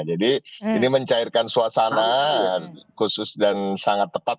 jadi ini mencairkan suasana khusus dan sangat tepat